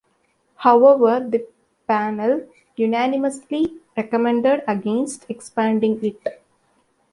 However, the panel unanimously recommended against expanding it.